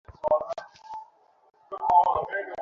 তাহার বাবা বলিল, সামনেই পড়বে এখন, চলো না।